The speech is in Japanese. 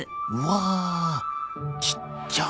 うわあちっちゃ！